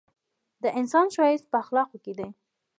د انسان ښایست په اخلاقو کي دی!